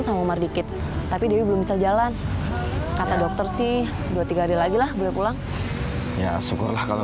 sama mardikit tapi dia belum bisa jalan kata dokter sih dua tiga hari lagi lah boleh pulang ya syukurlah kalau